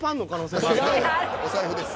お財布です。